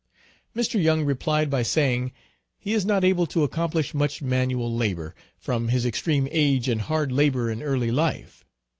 Mr. Young replied by saying, "he is not able to accomplish much manual labor, from his extreme age and hard labor in early life.